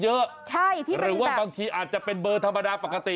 ใช่ที่เป็นแบบหรือว่าบางทีอาจจะเป็นเบอร์ธรรมดาปกติ